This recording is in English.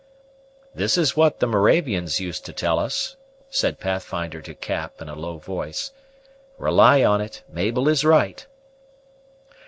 "This is what the Moravians used to tell us," said Pathfinder to Cap in a low voice; "rely on it, Mabel is right."